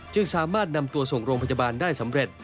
จึงสามารถนำตัวส่งโรงพยาบาลได้สำเร็จ